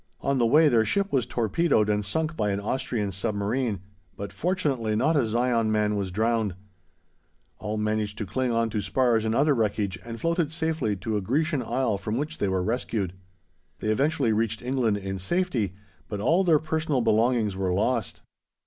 On the way their ship was torpedoed and sunk by an Austrian submarine, but fortunately not a Zion man was drowned; all managed to cling on to spars and other wreckage and floated safely to a Grecian isle from which they were rescued. They eventually reached England in safety, but all their personal belongings were lost.